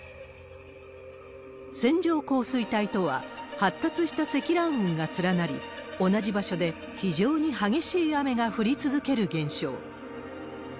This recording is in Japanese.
線状降水帯とは、発達した積乱雲が連なり、同じ場所で非常に激しい雨が降り続ける現象。